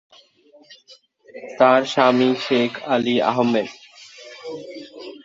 তার স্বামী শেখ আলী আহম্মেদ।